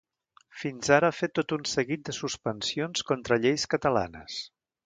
Fins ara ha fet tot un seguit de suspensions contra lleis catalanes.